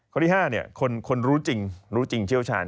ข้อที่๕คนรู้จริงรู้จริงเชี่ยวชาญ